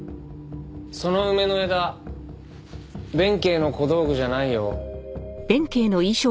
その梅の枝弁慶の小道具じゃないよ。